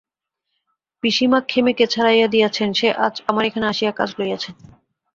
পিসিমা খেমিকে ছাড়াইয়া দিয়াছেন, সে আজ আমার এখানে আসিয়া কাজ লইয়াছে।